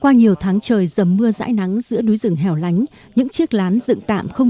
qua nhiều tháng trời dầm mưa dãi nắng giữa núi rừng hẻo lánh những chiếc lán dựng tạm không